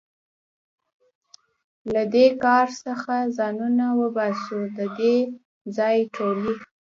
له دې کاروان څخه ځانونه وباسو، د دې ځای ټولې.